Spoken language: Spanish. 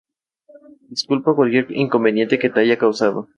Disculpa cualquier inconveniente que te haya causado.